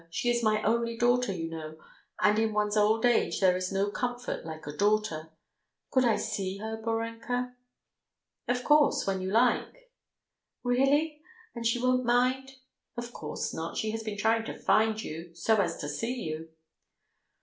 She is my only daughter, you know, and in one's old age there is no comfort like a daughter. Could I see her, Borenka?" "Of course, when you like." "Really? And she won't mind?" "Of course not, she has been trying to find you so as to see you."